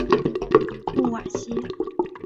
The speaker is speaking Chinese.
穆瓦西。